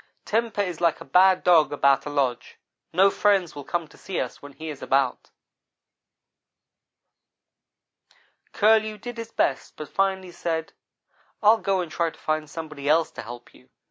Temper is like a bad dog about a lodge no friends will come to see us when he is about. "Curlew did his best but finally said: 'I'll go and try to find somebody else to help you.